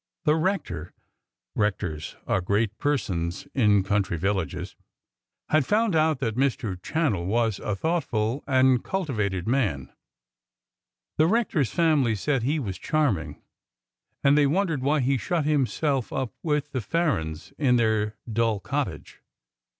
The rector (rectors are great persons in country villages) had found out that Mr. Channell was a thoughtful and cultivated man. The rector's family said that he was charming, and they wondered why he shut himself up with the Farrens in their dull cottage.